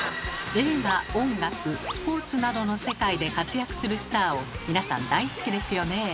映画音楽スポーツなどの世界で活躍するスターを皆さん大好きですよね。